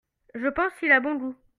Je pense qu'il a bon goût.